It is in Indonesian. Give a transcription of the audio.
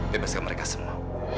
bebaskan mereka semua